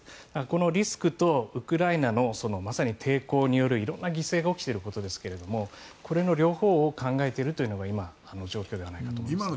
このリスクと、ウクライナのまさに抵抗による色んな犠牲が起きていることですがこれの両方を考えているというのが今の状況ではないかと思います。